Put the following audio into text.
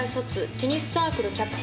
テニスサークルキャプテン」